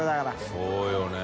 そうよね。